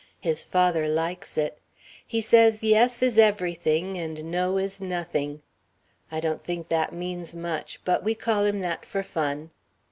His father likes it. He says yes is everything and no is nothing. I don't think that means much, but we call him that for fun...."